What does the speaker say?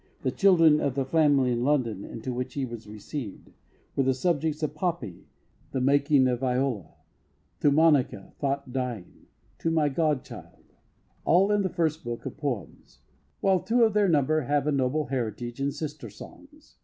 The children of the family in London, into which he was received, were the subjects of Poppy, The Making of Viola, To Monica Thought Dying, To my Godchild all in the first book of Poems; while two of their number have a noble heritage in Sister Songs.